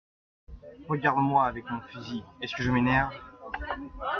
Regarde, moi avec mon fusil, est-ce que je m’énerve ?